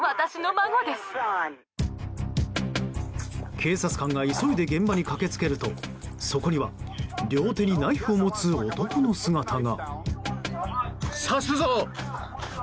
警察官が急いで現場に駆け付けるとそこには両手にナイフを持つ男の姿が。